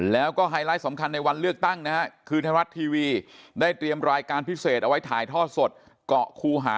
แล้วก็ไฮไลท์สำคัญในวันเลือกตั้งนะฮะคือไทยรัฐทีวีได้เตรียมรายการพิเศษเอาไว้ถ่ายทอดสดเกาะคูหา